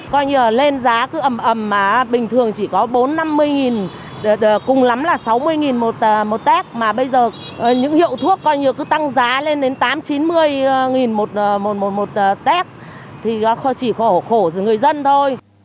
coi như lên giá cứ ẩm ẩm mà bình thường chỉ có bốn mươi năm mươi nghìn cùng lắm là sáu mươi nghìn một test mà bây giờ những hiệu thuốc coi như cứ tăng giá lên đến tám mươi chín mươi nghìn một test thì chỉ khổ người dân thôi